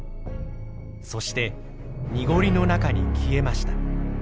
そして濁りの中に消えました。